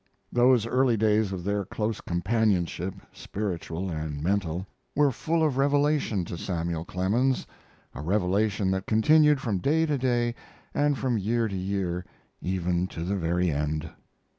Those early days of their close companionship, spiritual and mental, were full of revelation to Samuel Clemens, a revelation that continued from day to day, and from year to year, even to the very end.